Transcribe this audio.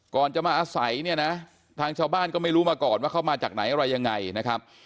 ก่อนจะมาอาศัยเนี่ยนะทางชาวบ้านก็ไม่รู้มาก่อนว่าเขามาจากไหนอะไรยังไงนะครับ